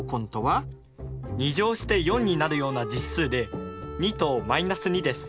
２乗して４になるような実数で２と−２です。